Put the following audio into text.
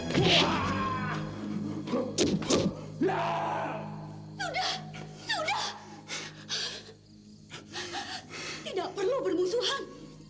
tidak perlu bermusuhan